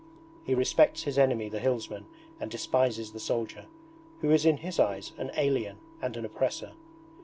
He respects his enemy the hillsman and despises the soldier, who is in his eyes an alien and an oppressor.